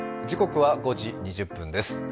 時刻は５時２０分です。